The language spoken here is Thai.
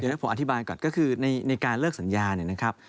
เดี๋ยวผมอธิบายก่อนก็คือในการเลิกสัญญาเนี่ยนะครับ